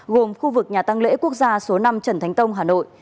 gồm khu vực nhà tăng lễ quốc gia số năm trần thánh tông hà nội